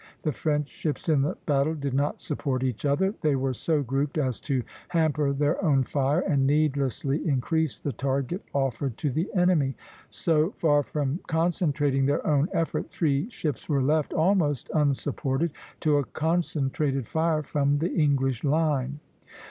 The French ships in the battle did not support each other; they were so grouped as to hamper their own fire and needlessly increase the target offered to the enemy; so far from concentrating their own effort, three ships were left, almost unsupported, to a concentrated fire from the English line.